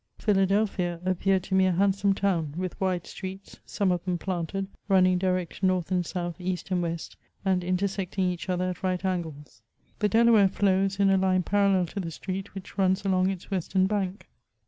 PhUadelphia appeared to me a handsome town, with wide streets, some of them planted, running direct north and south, east and west, and intersecting each other at right angles. The Delaware flows in a line pa rallel to the street which runs along its western bank.